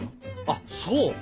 あっそう。